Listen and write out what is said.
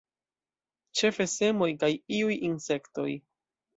Ĉefe semoj kaj iuj insektoj.